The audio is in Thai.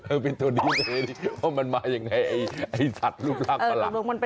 เออเป็นตรวจดีเอนเอว่ามันมาอย่างนี้ไอ้สัตว์รูปรักษณะล่ะ